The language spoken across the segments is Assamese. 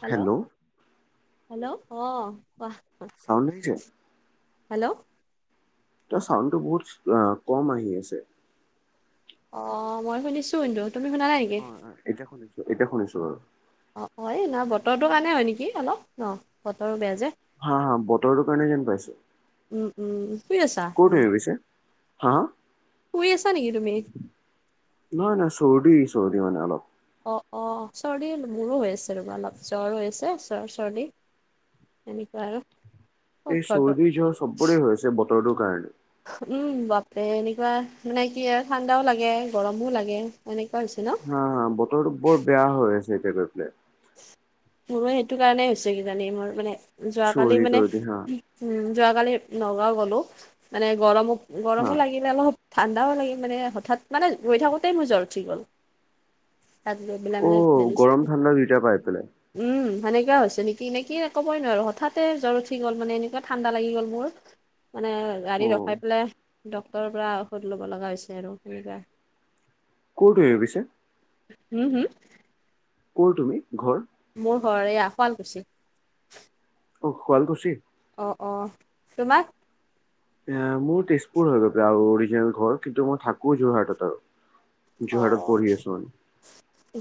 হেল্ল', হেল্ল', অ, কোৱা? চাউণ্ড আহিছে? হেল্ল', তে চাউণ্ড টো বহুতচ আ কম আহি আছে। অ, মই শুনিছোঁ কিন্তু তুমি শুনা নাই? নেকি অ', অ', এতিয়া শুনিছোঁ -এতিয়া শুনিছোঁ বাৰু। অ', অ', এই নহয় বতৰটোৰ কাৰণে হয় নেকি অলপ ন'বতৰো বেয়া যে। হা -হা বতৰটোৰ কাৰণে যেন পাইছোঁ। উম- উম শুই আছা পিছে? হা? শুই আছা নেকি তুমি? নহয়-নহয় চৰ্দি - চৰ্দি মানে অলপ। অ', অ', চৰ্দি মোৰো হৈ আছে ৰবা অলপ জ্বৰ হৈ আছে চৰ চৰ্দি। এনেকুৱা আৰু ক'ত এ ঘৰটো চৰ্দি জ্বৰ চব্বৰে আছে বতৰটোৰ কাৰণে। উম, বাপৰে এনেকুৱা মানে কি আৰ ঠাণ্ডাও লাগে গৰমো লাগে এনেকুৱা হৈছে ন'? হা- হা বতৰটো বৰ বেয়া হৈ আছে এতিয়া গৈ পেলে। মোৰো সেইটো কাৰণেই হৈছে কিজানি মোৰ মানে যোৱাকালি চৰ্দি মানে তৰ্দি হা উম, যোৱাকালি নগাঁও গ'লো মানে গৰমো- হা। গৰমো লাগিলে অলপ ঠাণ্ডাও লাগি মানে হঠাৎ মানে ৰৈ থাকোঁতেই মোৰ জ্বৰ উঠি গ'ল। তাত গৈ পেলাই অ, মানে মেডিচ গৰম, ঠাণ্ডা দুইটা পাই পেলে। উম, সেনেকোৱা হৈছে নেকি নে কি ক'বই নোৱাৰো হঠাতে জ্বৰ উঠি গ'ল মানে এনেকুৱা ঠাণ্ডা লাগি গ'ল মোৰ। মানে গাড়ী অ' ৰখাই পেলাই ডক্তৰৰ পৰা ঔষধ লব লগা হৈছে আৰু সেনেকা। ক'ত এৰু পিছে উম হম। কৰ তুমি ঘৰ? মোৰ ঘৰ এয়া শুৱালকুছি। অ শুৱালকুছি। অ অ তোমাক এ মোৰ তেজপুৰ হৈ গৈ আৰু অৰিজিনেল ঘৰ কিন্তু মই থাকো যোৰহাটত আৰু। যোৰহাটত অ', পঢ়ি আছো মানে।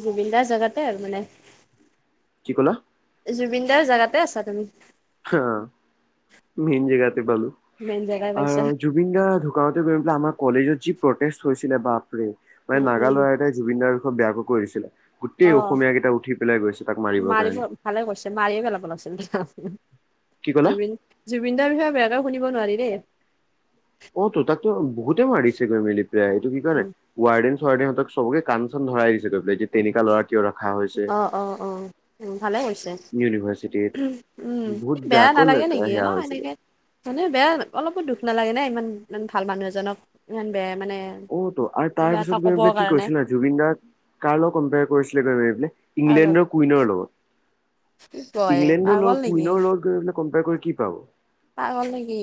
জুবিন দাৰ জেগাতে আৰু মানে। কি ক'লা? জুবিনদাৰ জেগাতে আছা তুমি। অ মেইন জেগাতে পালো। মেইন জেগাই আৰু পাইছা। জু- বিন গাৰ ধূকাওতে গৈ পেলাই আমাৰ কলেজৰ যি প্ৰটেষ্ট হৈছিলে বাপৰে মানে উম, নাগা উম, ল'ৰা এটাই জুবিন দাৰ বিষয়ে বেয়াকৈ কৰিছিলে। গোটেই অ'। অসমীয় কেইটা উঠি পেলাই গৈছে তাক মাৰিবৰ মাৰিব কাৰণে। ভালে কৰিছে মাৰিয়ে পেলাব লাগিছিল [unintelligible] কি ক'লা জুবিন জুবিনদাৰ বিষয়ে বেয়াকৈ শুনিব নোৱাৰি দেই। অ তো তাকো বহুতে মাৰিছে গৈ মেলি প্ৰায় এইটো কি কয় নাই উম ৱাৰডেন চোৱাৰডেন হেতক চবকে কান চান ধৰাই দিছে পাই যে তেনেকা ল'ৰাক অ অ অ‌ উম ভালে হৈছে। ইউনিভাৰ্চিটিত উমহ। উম! বহুত বেয়া বেয়াকৈ নালাগে নেকি এন সেয়া হৈছিল এনেকে মানে বেয়া অলপো দুখ নালাগে নে ইমান ইমান ভাল মানুহ এজনক ইমান বেয়া মানে অ ত আৰু কিবা তাৰ এটা পিছত গৈ ক'বৰ পিনে কি কাৰণে কৈছে নে জুবিন দাৰ কাৰ লগত কম্পেয়াৰ কৰিছিলে গৈ বেবেৰ পেলে তাৰ লগত ইংলেণ্ডৰ কুইনৰ কি লগত কয় ইংলেণ্ডৰ পাগল লগত নেকি কুইনৰ লগত গৈ পেলে কম্পেয়াৰ কৰি কি পাব। পাগল নে কি?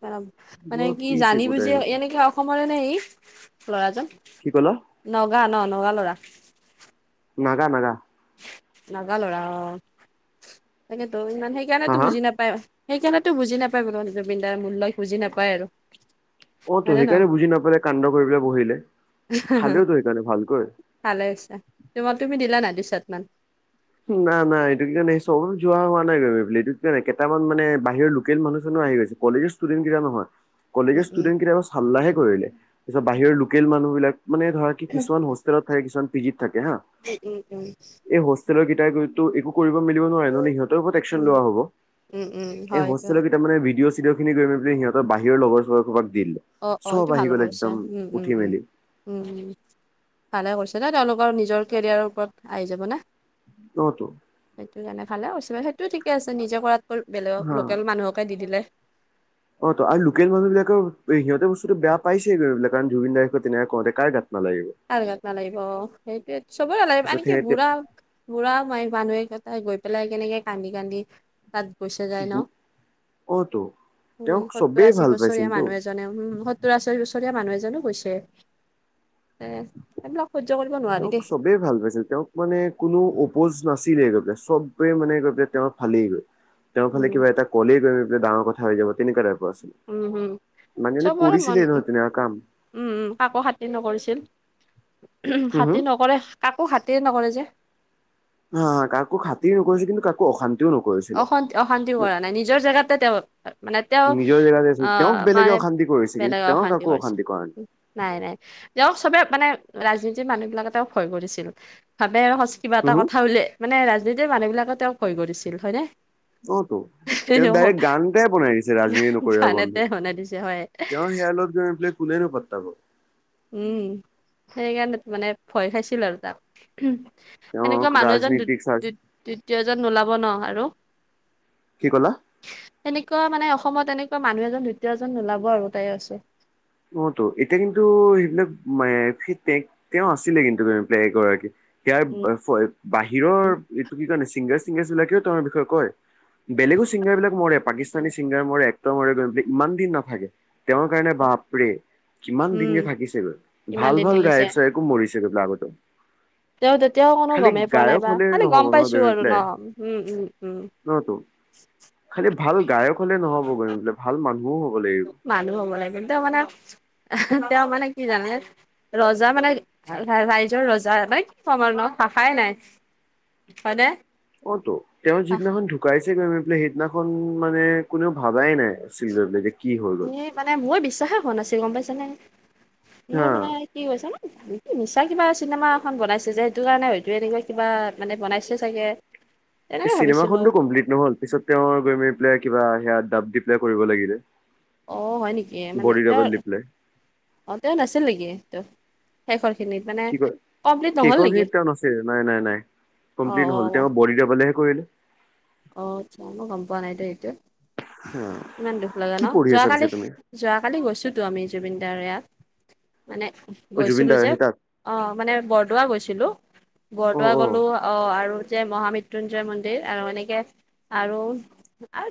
তেলাব মানে বৰ কি পিছ জানি একোটা বুজি একোটা এনেকে অসমৰে নে সি ল'ৰাজন? কি ক'লা নগা ন নগা ল'ৰা। নাগা নাগা। নাগা লৰা অ তাকেতো ইমান সেইকাৰণে হা তো হা বুজি নাপাই। সেইকাৰণেতো বুজি নাপায় বৰ্তমান জুবিন দাৰ মূল্য বুজি নাপায় আৰু। অ হয় তো নে ন সেইকাৰণে বুজি নাপালে কাণ্ড কৰি পেলাই বহিলে, খালেও ত সেইকাৰণে ভালকৈ। ভালে হৈছে তোমা তুমি দিলা না দুছাতমান? নাই নাই এইটো কি কাৰণে চবে যোৱা হোৱা নাই গৈ পিলে এইটো কয় কেইটামান মানে বাহিৰৰ লোকেল মানুহ চানো আহি গৈছে। কলেউচ ষ্টুডেণ্ট গিতা নহয়। কলেজ উম উম ষ্টুডেণ্ট গিতাবাচ চাল্লাহে কৰিলে তাছত বাহিৰৰ লোকেল মানুহবিলাক মানে ধৰা কি কিছুমান হোষ্টেলত থাকে কিছুমান পিজিত থাকে হা। উ উ উম। এই হোষ্টেলৰ গিটাই গৈতো একো কৰিব মেলিব নোৱাৰে নহ'লে ইহঁত তৈবত এক্সন উম লোৱা হ'ব উম উম এই হয় দিয়া। হোষ্টেল গিত- তামানে ভিডিঅ চিডিঅ খিনি গৈ [unintelligible] সিহঁত বাহিৰ লগৰ চগৰ সোপাক দি দিলে। অ অ চব এইটো আহি ভাল গ'ল কৰিছা একদম উ উ উম। উঠি মেলি উম উম ভালে কৰিছে দে তেওঁলোকৰ নিজৰ কেৰিয়াৰৰ ওপৰত আহি যাব না। ন তো। সেইটো কাণে ভালে কৈছে সেইটোও ঠিকে আছে নিজে কৰাতকৈ বেলেগক লোকেল মানুহকে দি দিলে। অ ত আৰু লোকেল মানুহ বিলাকেও সিহঁতে বস্তুটো বেয়া পাইছে গৈ পিলে কাৰণ জুবিন দাই কৈ তেনেকে কওঁতে কাৰ গাত নালাগিব। কাৰ গাত নালাগিব সেইটোৱে চবৰে লাগিব পিছত আনকি সিহঁতে বুঢ়া বুঢ়া মায় মানুহে কেটাই গৈ পেলাই কেনেকে কান্দি কান্দি তাত গৈচা যায় ন অতো ইমান তেওঁক সত্তৰ চবেই আশী ভাল বছৰীয়া পাইছিলতো মানুহ এজ- জনে উমহু সত্তৰ আশী বছৰীয়া মানুহ এজনো গৈছে। এহ, সেইবিলাক সহ্য কৰিব নোৱাৰি দেই। [unintelligible] ভাল পাইছিল তেওঁক মানে কোনো অপ'জ নাছিলে গৈ পেলাই চববে মানে গৈপায় তেওঁক ভালে [unintelligible] তেওঁ খালী উম কিবা এটা কলেই [unintelligible] ডাঙৰ কথা হৈ যাব তেনেকুৱা টাইপৰ আছিল। উম উম মানে এনে চবৰে মন কৰিছিলে ন' তেনেকা কাম। উম, উম, কাকো খাতীৰ নকৰিছিল, খাতীৰ নকৰে কাকো খাতীৰ নকৰে যে। অ', অ, কাকো খাতি নকৰিছিল কিন্তু কা কো অশান্তিও নকৰিছিল। অশান্ত অশান্তিও কৰা নাই নিজৰ জেগাতে তেওঁ, মানে তেওঁ নিজৰ জেগাতে আছিল অ', তেওঁক বেলেগে মানে, অশান্তি কৰিছে কিন্তু বেলেগক তেওঁ শান্তি কাকো কৰিছে। অশান্তি কৰা নাই। নাই নাই, তেওঁক চবে মানে ৰাজনীতিৰ মানুহ বিলাকে তেওঁক হয় ভয় দিছিল ভাবে সচ কিবা উম এটা হম। কথা উলে মানে ৰাজনীতিৰ মানুহ বিলাকে তেওঁক ভয় কৰিছিল, হয়নে? অ', তো। তেওঁ ডাইৰেক্ট গান এ মটাই বনাই দিছে ৰাজনীতি নকৰিবা গান বন্ধু, এটাই শুনাই দিছে হয় তেওঁৰ সেয়াৰ লগত গৈ পেলাই কোনে নো পাত্তাব। উম, সেইকাৰণে মানে ভয় খাইছিল আৰু তাক। তেওঁ এনেকুৱা মানুহ এজন দু ৰাজনীতিক চা দু-দ্বিতীয়জন নোলাব ন' আৰু। কি ক'লা? তেনেকুৱা মানে অসমত এনেকুৱা মানুহ এজন দ্বিতীয়জন নোলাব আৰু [unintelligible] আছে। অ', তো এতিয়া কিন্তু সেইবিলাক মে ফিতপেক তেওঁ আছিলে কিন্তু এগৰাকী। ইয়াৰ [unintelligible] বাহিৰৰ এইটো চিংগাৰ চিংগাৰছ বিলাকেও তেঁওৰ বিষয়ে কয়। বেলেগো ছিংগাৰ বিলাক মৰে পাকিস্তানী ছিংগাৰ মৰে, এক্টৰ মৰে, গৈ পেলে ইমান দিন নাথাকে। তেওঁৰ কাৰণে বাপৰে, কিমান দিন উম, যে থাকিছিল, ইমান ভাল দিন ভাল থাকিছে গায়কচে [unintelligible] তেঁও তেতিয়াও অকোনো গমেই পোৱা নাইবা হলে খালি নহব গম পাইছো আৰু ন' উম, উম, উম, অ', তো, খালি ভাল গায়ক হ'লে নহ'বগৈ ভাল মানুহও হব লাগিব। মানুহ হ'ব লাগে তেওঁ মানে, তেওঁ মানে কি জানে? ৰজা মানে, ৰাইজৰ ৰজা মানে কি কম আৰু ন' ভাষাই নাই। হয়নে? অ', তো, তেওঁৰ যিদিনাখন ঢুকাইছে গৈ গৈ পেলাই সেইদিনাখন, মানে কোনেও ভাবাই নাই ছিলে [unintelligible] এ মানে মোৰ বিশ্বাসে হোৱা নাছিল গম পাইছা নে, হা মোৰ মানে [unintelligible] মিছা কিবা চিনেমা এখন বনাইছে যে সেইটো কাৰণে হয়তো এনেকুৱা কিবা, মানে বনাইছে চাগে। এ তেনেকে ভাবিছিলো চিনেমাখনটো কমপ্লিট নহল পিছত তেওঁ গৈ মেলি পেলাই কিবা সেয়া ডাব দি পেলাই কৰিব লাগিলে। অ', হয় নেকি মানে বডি তেওঁ, ডাবল দি পেলাই অ, তেওঁ নাছিল নেকি, তেওঁ? শেষৰ খিনিত মানে কি কয় কমপ্লিট নহ'ল শেষৰ নেকি দিন তেওঁ নাছিল, নাই, নাই, নাই, অ কমপ্লিট অ ন'হল অ তেওঁ বডী ডাবলহে কৰিলে। অ', অচ্ছা মই গম পোৱা নাই দে এইটো, ইমান দুখ লগা কি ন পঢ়ি আছা পিছে যোৱাকালি তুমি যোৱাকালি গৈছোঁতো আমি জুবিন দাৰ ইয়াত, মানে অ জুবিন গৈছিলোঁ দাৰ যে। সেই তাত অ', মানে বৰদোৱা গৈছিলো। বৰদোৱা গ'লো অ, আৰু যে মহামৃত্যুঞ্জয় মন্দিৰ আৰু এনেকে আৰু,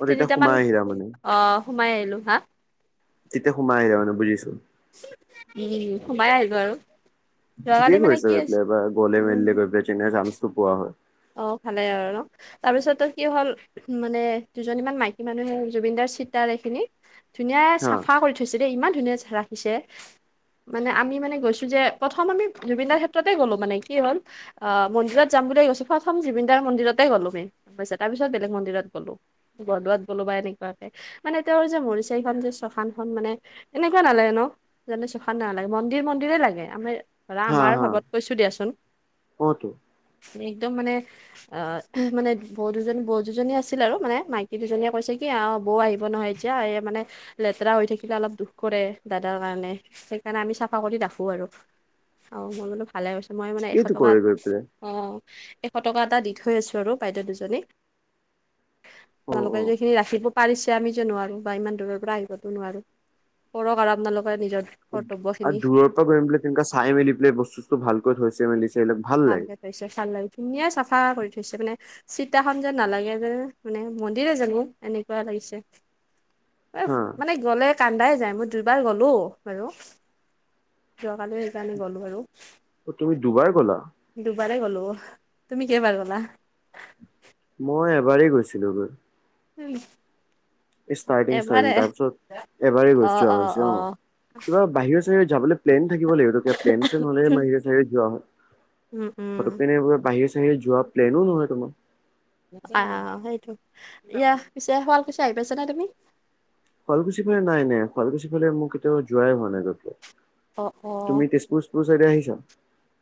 অ তেতিয়া সোমাই তিনিটামান, আহিলা মানে অ, সোমাই আহিলোঁ, হা? তেতিয়া সোমাই আহিলা মানে বুজিছোঁ। উম, সোমাই আহিলো আৰু। যোৱাকালি ঠিকেই মানে কৰিছা কি আছে [unintelligible] গলে উম, মেলিলে গৈ পেলাই কিনে জামচটো পোৱা হয়। অ', ভালে আৰু ন'? তাৰপিছতটো কি হ'ল, মানে দুজনীমানী মাইকী মানুহে জুবিন দাৰ চীতাৰ এইখিনি ধুনীয়া হা চাফা কৰি থৈছে দেই ইমান ধুনীয়া ৰাখিছে। মানে আমি মানে গৈছো যে প্ৰথম আমি জুবিন দাৰ ক্ষেত্ৰতে গ'লো মানে, কি হ'ল অ', মন্দিৰত যাম বুলিয়ে গৈছো প্ৰথম জুবিন দাৰ মন্দিৰতে গ'লো আমি, পাইছা তাৰপিছত বেলেগ মন্দিৰত গ'লো। বৰদোৱাত গ'লোবা এনেকুৱাকে। মানে তেওঁৰ যে মৰিচে এইখন যে চখান খন মানে, এনেকে নালাগে ন'? যেনে চখান নালাগে মন্দিৰ- মন্দিৰে লাগে আমিৰ ধৰা হা আমাৰ হা ভাৱত কৈছো দিয়াচোন অ তো মানে একদম মানে অ, মানে বৌ দুজন -বৌ দুজনী আছিল আৰু মানে মাইকী দুজনীয়ে কৈছে কি অ, বৌ আহিব নহয় এতিয়া এ মানে লেতৰা হৈ থাকিলে অলপ দুখ কৰে দাদাৰ কাৰণে সেইকাৰণে আমি চাফা কৰি ৰাখো আৰু। অ, মই বুলো ভালে পাইছোঁ। ঠিকেইটো কৰে গৈ পেলে। অ, এশ টকা এটা দি থৈ আহিছোঁ আৰু বাইদেউ দুজনীক। অ অ আপোনালোকে যে ইখিনি ৰাখিব পাৰিছে আমি যে নোৱাৰো বা ইমান দূৰৰ পৰা আহিবতো নোৱাৰো কৰক আৰ আপোনালোকে নিজৰ কৰ্তব্যখিনি আৰু দূৰৰ পৰা কৰিম পেলাই তেনকা চাই মেলি পেলাই বস্তু -চষ্টো ভালকৈ থৈছে মেলিছে এইবিলাক ভাল লাগে ভালকে থৈছে ভাল লাগে ধুনীয়া চাফা কৰি থৈছে মানে চিতাখন যে নালাগে যে মানে মন্দিৰে জানো এনেকুৱা লাগিছে। হা [unintelligible] মানে গ'লে কান্দাই যায় মই দুইবাৰ গ'লো বাৰু। যোৱাকালি সেইকাৰণে গ'লো আৰু। অ, তুমি দুবাৰ গ'লা? দুবাৰে গ'লো তুমি কেইবাৰ গ'লা? মই এবাৰেই গৈছিলোঁ গৈ। [unintelligible] ষ্টাৰ্টিং -ষ্টাৰ্টিং এবাৰে তাৰ পিছত এবাৰেই গৈছোঁ যোৱা হৈছে অ, কিবা বাহিৰে চাহিৰে যাবলে প্লেন থাকিব লাগিবতো কিবা প্লেন চেন হলেহে বাহিৰে চাহিৰে যোৱা হয়। উম-উম। পটকেনে এইবোৰ বাহিৰ -চাহিৰে যোৱা প্লেনো নহয় তোমাৰ। আ সেইটো ইয়া পিছে শুৱালকুছি আহি পাইছা নে তুমি? শুৱালকুছি ফালে নাই -নাই শুৱালকুছি ফালে মোক কেতিয়াও যোৱাই হোৱা নাই অ', [unintelligible] অ', তুমি তেজপুৰ তোৰ চাইদে আহিছ?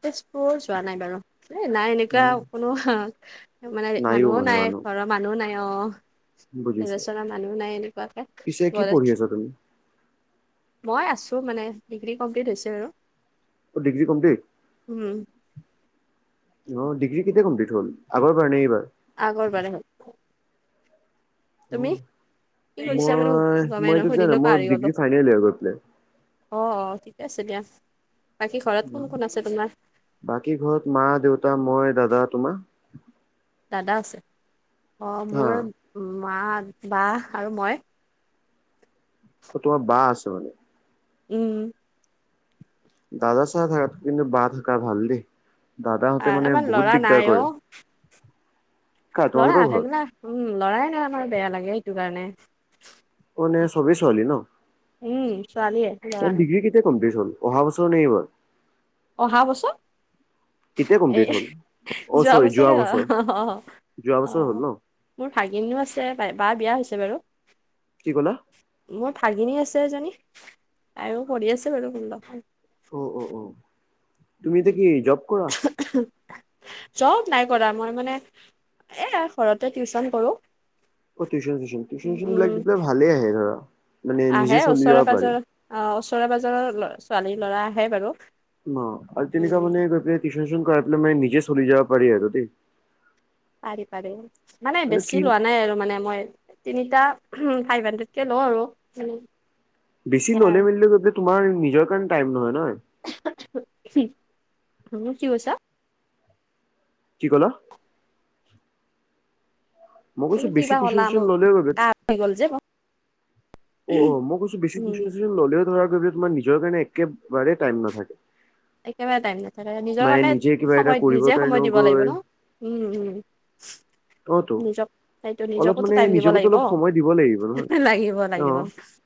তেজপুৰ যোৱা নাই বাৰু এ নাই এনেকুৱা অ', কোনো হা মানে নাইও মানুহো মানে নাই মানুহ ঘৰৰ মানুহ নাই অ, বুজিছো। ৰিলেচনৰ মানুহ নাই এনেকুৱাকে পিছে কি গ'লে পঢ়ি আছা তুমি? মই আছো মানে ডিগ্ৰী কমপ্লিট হৈছে আৰু। অ, ডিগ্ৰী কমপ্লিট। উম, অ, ডিগ্ৰী কেতিয়া কমপ্লিট হ'ল আগৰ বাৰ নে এইবাৰ? আগৰবাৰে হ'ল। তুমি অ', কি কৰিছা বাৰু মই গমে মই [unintelligible] এইটো কিয় নাই সুধিলোঁ মোৰ পাহৰি গলো। ডিগ্ৰী ফাইনেল ইয়েৰ গৈ পেলাই। অ', অ', ঠিকে আছে দিয়া বাকী ঘৰত কোন- কোন আছে তোমাৰ? বাকী ঘৰত মা, দেউতা, মই, দাদা তোমাৰ? দাদা আছে অ, হা মোৰ মা, বাহ আৰু মই। অ, তোমাৰ বা আছে মানে? উম, দাদা চাহা থাকতকে কিন্তু বা থাকা ভাল দে। আ দাদাহঁতে মানে আমাৰ বহুত ল'ৰা দিগদাৰ নাই কৰে। অ', কাৰ ল'ৰা তোমালোকৰ ঘৰত? নাথাকিলে উম, ল'ৰাই নাই আমাৰ বেয়া লাগে সেইটো কাৰণে। অ, মানে চবেই ছোৱালী ন'? উম, ছোৱালীয়ে ল'ৰা নাই। ডিগ্ৰী কেতিয়া কমপ্লিট হ'ল অহা বছৰ নে এইবাৰ? অহা বছৰ? কেতিয়া এ কমপ্লিট এহ হ'ল? অ' যোৱা চৰি বছৰে অ', বছৰ। অ', অ', হ, যোৱা বছৰ হ'ল অ, ন? মোৰ ভাগিনীও আছে বাই বা বিয়া হৈছে বাৰু। কি ক'লা? মোৰ ভাগিনী আছে এজনী আৰু পঢ়ি আছে বাৰু [unintelligible] অ অ অ তুমি এতিয়া কি জব কৰা। জব নাই কৰা মই মানে এ ঘৰতে টিউচন কৰো। অ টিউচন চিউচন, টিউচন চিউচন বিলাক উম দে [unintelligible] ভালে আহে ধৰা মানে নিজে চলি আহিব পাৰি। আহ ওচৰে পাজৰৰ ল'ৰা ছোৱালী ল'ৰা আহে বাৰু। অ আৰু উম তেনেকুৱা মানে গৈ পেলাই টিউচন কৰাই পেলাই মানে নিজে চলি যাব পাৰি আৰু দেই। পাৰি পাৰি মানে বেছি লোৱা নাই আৰু মানে মই। তিনিটা উম হ ফাইভ হাড্ৰেডকে লওঁ আৰু। বেছি সেয়া ললে মেলিলে যে তোমাৰ নিজৰ কাৰণে টাইম নহয় ন। কি কৈছা। কি ক'লা। মই কৈছো তুমি কি বেছি বা টিউচন ক'লা চিউচন মোক ল'লে গৈ পেলাই কাহ হৈ গল যে মো অ অ মই কৈছো বেছি উম, টিউচন চিউচন ল'লে ধৰা যদি তোমাৰ বাবে তোমাৰ নিজৰ কাৰণে একেবাৰে টাইম নাথাকে। একেবাই টাইম নাই। তাকেতো নিজৰ মানে কাৰণে নিজে কিবা এটা সময় কৰিবৰ নিজে সময় কাৰণেও দিব লাগিব গৈ ন উম। অ তো নিজক সেইটো অলপ নিজকতো মানে টাইম দিব নিজকোতো লাগিব, অলপ সময় দিব লাগিব নহয় লাগিব অ লাগিব।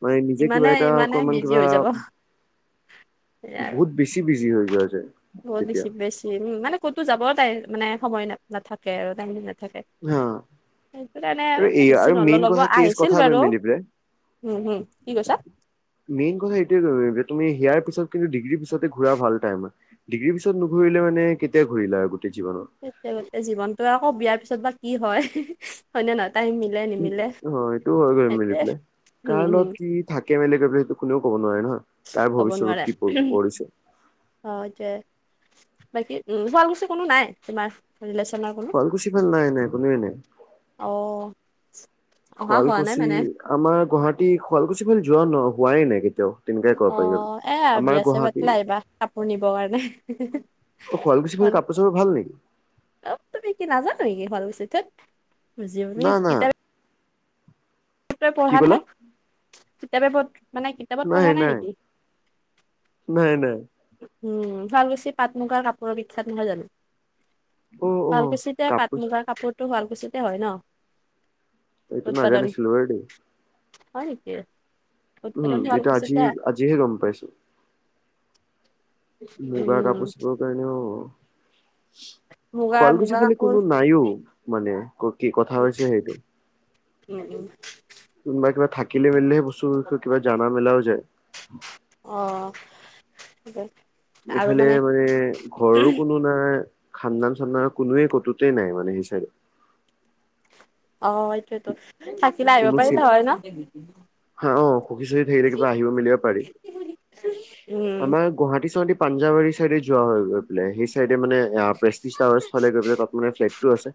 মানে নিজে কিবা ইমানে এটা ইমানে অকমান বিজি কিবা হৈ যাব সেইয়া আৰু। বহুত বেছি বিজি হৈ যোৱা যায় যে। বহুত বেছি বেছি উম মানে ক'তো যাব তাই মানে সময় নাথাকে আৰু টাইম নাথাকে। হ সেইটো কাৰণে আৰু এ, এই বেছি আৰু মেইন নল'ব কথা কি আহিছিল কথা বাৰু মিলি পেলাই উম হুম কি কৈছা? মেইন কথা এইটোৱে যে তুমি হিয়াৰ পিছত কিন্তু ডিগ্ৰীৰ পিছতে ঘুৰা ভাল টাইমৰ। ডিগ্ৰীৰ পিছত নুঘৰিলে মানে কেতিয়া ঘূৰিলা আৰু গোটেই জীৱনত? এতিয়া জীৱনতো আকৌ বিয়াৰ পিছত বা কি হয়, হয় নে নহয় টাইম মি। অ সটো হয় মেলি পেলাই উম, কাৰ হম। লগত কি। থাকে মেনে কৰি পেলাই সেইটো কোনেও ক'ব নোৱাৰে নহয় কাৰ ক'ব ভৱিষ্যত নোৱাৰে কি পৰিছে। অ এতিয়া বাকী উ শুৱালকুছি কোনো নাই তোমাৰ। ৰিলেচনাৰ কোনো শুৱালকুছি ফালে নাই নাই কোনোৱে নাই। অ অহা হোৱা নাই শুৱালকুছি মানে। আমাৰ গুৱাহাটী শুৱালকুছি ফালে যোৱা ন হোৱাই নাই কেতিয়াও। তেনেকাই ক'ব অ পাৰি। এয়া আমাৰ বিয়া চ গুৱাহাটী পাতিল আহিবা কাপোৰ নিবৰ কাৰণে? অ শুৱালকুছি ফালে কাপোৰ চাপোৰ ভাল নেকি? অ তুমি কি নাজানো নেকি শুৱালকুছিত তেইত বুজিবনি না না কিতাপে পত্ৰই কি পঢ়া ক'লা? নাই কিতাপে পত্ মানে কিতাপত পঢ়া নাই নেকি? নাই নাই উম শুৱালকুছি পাট মুগাৰ কাপোৰৰ বিখ্যাত নহয় জানো? অ', অ', শুৱালকুছিতে পাট কাপোৰ মুগাৰ কাপোৰটো শুৱালকুছিতে হয় ন? এইটো উৎপাদন [unintelligible] হয় নেকি? উম উৎপাদন এইটো আজি শুৱালকুছিতে হয়। আজিহে গম পাইছো। মুগা উম কাপোৰ চাপোৰ কাৰণেও মুগা শুৱালকুছি মুগা ফালে কাপোৰ কোনো নাইও। মানে কি কথা হৈছে সেইটো। উম উম কোনোবা কিবা থাকিলে মেলিলেহে বস্তু বিষয়ে কিবা জানা মেলাও যায় অ সেই যে এইফালে মানে ঘৰৰো কোনো নাই খান্দান চান্দাম কোনোৱে কতোতেই নাই মানে সেইছাইদে। অ সেইটোয়েতো থাকিলে আহিব কোনো চিন পাৰিবা হয় ন? হা অ সুখী চুখী থাকিলে কিবা আহিব মেলিব পাৰি। উম। আমাৰ গুৱাহাটী চুৱাহাটী পাঞ্জাবাৰী চাইডে যোৱা হয় গৈ পেলাই সেই চাইডে মানে আ প্ৰেচটিচ টাৱাৰচ ফালে গৈ পেলাই তাত মানে ফ্লেটটো আছে।